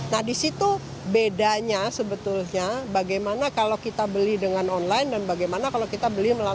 nah di situ bedanya sebetulnya bagaimana kalau kita beli dengan online dan bagaimana kalau kita beli melalui travel agent